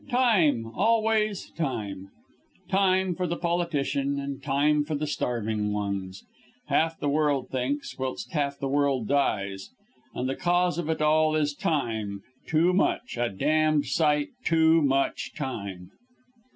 Time always time! Time for the politician, and time for the starving ones! Half the world thinks, whilst half the world dies; and the cause of it all is time too much, a damned sight too much time!